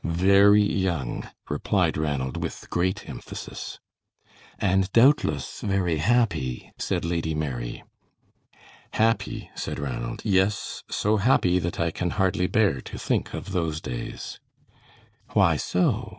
"Very young," replied Ranald, with great emphasis. "And doubtless very happy," said Lady Mary. "Happy," said Ranald, "yes, so happy that I can hardly bear to think of those days." "Why so?"